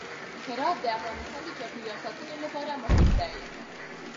هرات د افغانستان د چاپیریال ساتنې لپاره مهم دي.